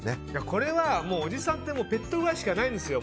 これは、おじさんってペットくらいしかないんですよ